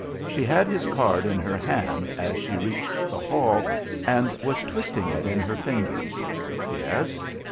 She had his card in her hand as she reached the hall, and was twisting it in her fingers. Yes.